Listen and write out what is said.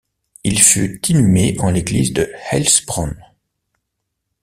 Il fut inhumé en l'église de Heilsbronn.